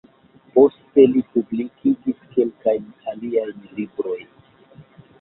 Poste li publikigis kelkajn aliajn librojn.